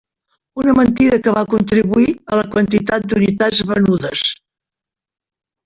Una mentida que va contribuir a la quantitat d'unitats venudes.